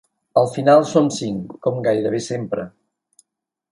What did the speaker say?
Al final som cinc, com gairebé sempre.